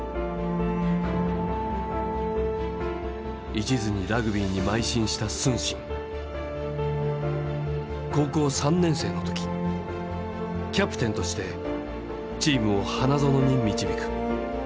いちずにラグビーに邁進した承信高校３年生の時キャプテンとしてチームを花園に導く。